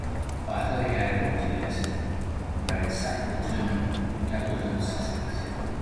By her he had a daughter Elizabeth, who married Sackville Turnor of Tablehurt, Sussex.